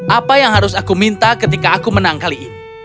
apa yang harus aku minta ketika aku menang kali ini